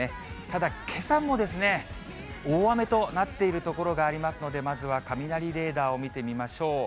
ただ、けさも大雨となっている所がありますので、まずは雷レーダーを見てみましょう。